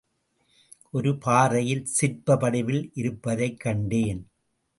ஒரு பாறையில் சிற்ப வடிவில் இருப்பதைக் கண்டேன்.